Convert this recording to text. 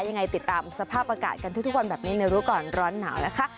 ยังไงติดตามสภาพอากาศกันทุกวันแบบนี้ในรู้ก่อนร้อนหนาวนะคะ